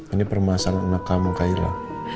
ini permasalahan anak kamu kaila